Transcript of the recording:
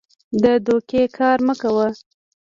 د دوکې کار مه کوه.